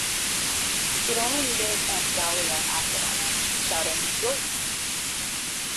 It only needed Aunt Dahlia after them, shouting "Yoicks!"